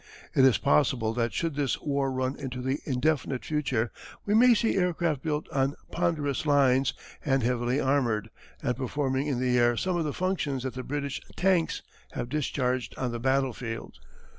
It is possible that should this war run into the indefinite future we may see aircraft built on ponderous lines and heavily armoured, and performing in the air some of the functions that the British "tanks" have discharged on the battlefields.